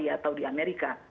atau di amerika